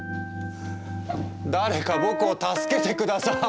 誰か僕を助けて下さい！